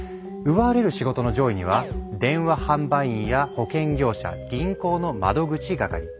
奪われる仕事の上位には電話販売員や保険業者銀行の窓口係。